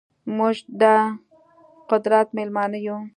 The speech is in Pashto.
موږ ده قدرت میلمانه یو